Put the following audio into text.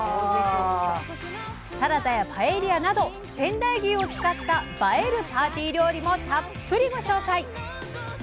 サラダやパエリアなど仙台牛を使った「映えるパーティー料理」もたっぷりご紹介！